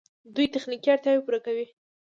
دوی تخنیکي اړتیاوې پوره کوي.